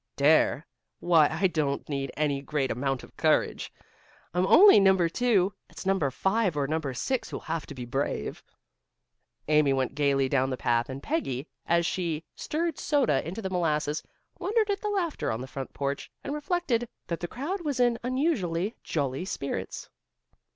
"Dare? Why, I don't need any great amount of courage. I'm only Number Two. It's Number Five or Number Six who'll have to be brave." Amy went gaily down the path, and Peggy as she stirred the soda into the molasses, wondered at the laughter on the front porch and reflected that the crowd was in unusually jolly spirits.